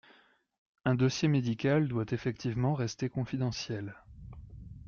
Un dossier médical doit effectivement rester confidentiel.